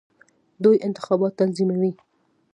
دوی انتخابات تنظیموي.